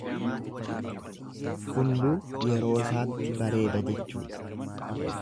Hunduu yeroosaatti bareeda jechuudha.